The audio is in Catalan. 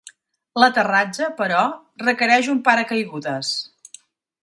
L'aterratge, però, requereix un paracaigudes.